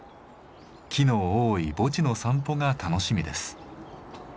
木の多い墓地の散歩が楽しみです。